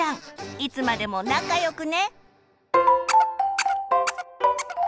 いつまでも仲良くね！